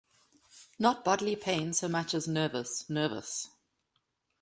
Not bodily pain so much as nervous, nervous!